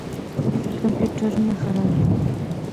کمپیوټرونه خراب دي.